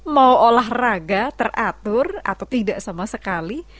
mau olahraga teratur atau tidak sama sekali